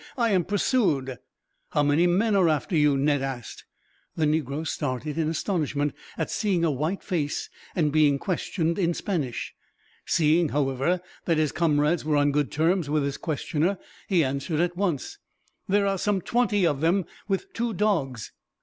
"I am pursued." "How many men are after you?" Ned asked. The negro started in astonishment, at seeing a white face and being questioned in Spanish. Seeing, however, that his comrades were on good terms with his questioner, he answered at once: "There are some twenty of them, with two dogs."